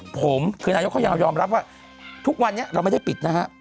ผมคือนายกเขายาวยอมรับว่าทุกวันนี้เราไม่ได้ปิดนะฮะ